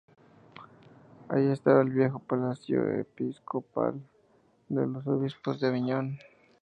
Allí estaba el viejo palacio episcopal de los obispos de Aviñón.